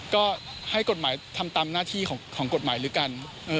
ก็ให้กฎหมายทำตามหน้าที่ของกฎหมายด้วยกัน